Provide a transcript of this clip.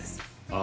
あ！